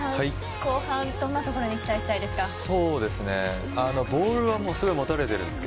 後半どんな所に期待したいですか。